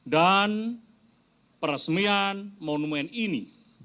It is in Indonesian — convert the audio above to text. dan peresmian monumen ini